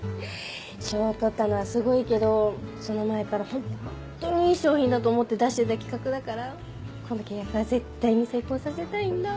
賞を取ったのはすごいけどその前からホントにいい商品だと思って出してた企画だからこの契約は絶対に成功させたいんだ。